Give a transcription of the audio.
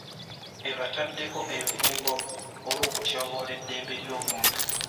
Ebataddeko envumbo olw'okutyoboola eddembe ly'obuntu.